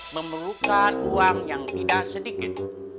memerlukan uang yang tidak sedikit